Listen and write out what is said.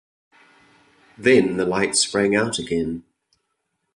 Then the light sprang out again.